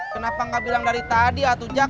kenapa gak bilang dari tadi atu jak